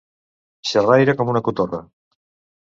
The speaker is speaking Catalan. Xerraire com una cotorra.